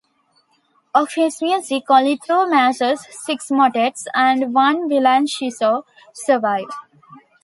Of his music only two masses, six motets and one villancico survive.